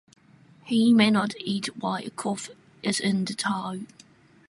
He may not eat while a corpse is in the town.